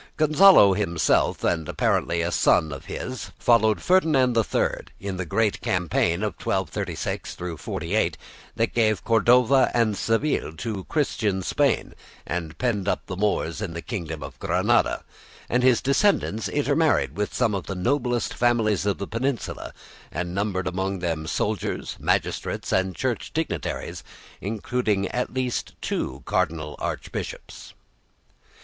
Gonzalo himself, and apparently a son of his, followed Ferdinand III in the great campaign of 1236 48 that gave Cordova and Seville to Christian Spain and penned up the Moors in the kingdom of Granada, and his descendants intermarried with some of the noblest families of the Peninsula and numbered among them soldiers, magistrates, and Church dignitaries, including at least two cardinal archbishops.